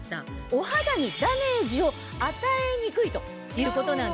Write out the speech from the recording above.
お肌にダメージを与えにくいということなんですね。